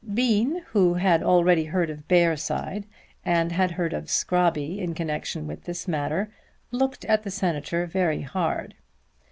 Bean, who had already heard of Bearside and had heard of Scrobby in connection with this matter, looked at the Senator very hard.